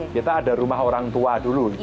kita ada rumah orang tua dulu